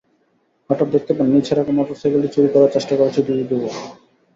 হঠাৎ দেখতে পান, নিচে রাখা মোটরসাইকেলটি চুরি করার চেষ্টা করছে দুই যুবক।